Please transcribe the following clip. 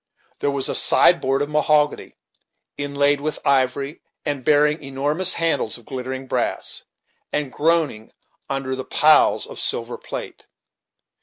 There was a sideboard of mahogany, inlaid with ivory, and bearing enormous handles of glittering brass, and groaning under the piles of silver plate.